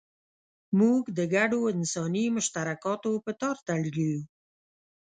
موږ د ګډو انساني مشترکاتو په تار تړلي یو.